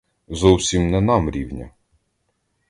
Зовсім не нам рівня.